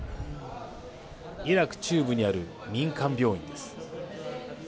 イラク中部にある民間病院です。